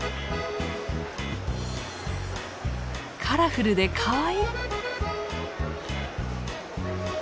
カラフルでかわいい！